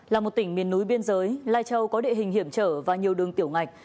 là một tỉnh miền núi biên giới lai châu có địa hình hiểm trở và nhiều đường tiểu ngạch